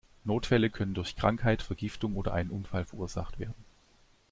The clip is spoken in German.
Notfälle können durch Krankheit, Vergiftung oder einen Unfall verursacht werden.